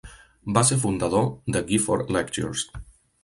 Va ser fundador de Gifford Lectures.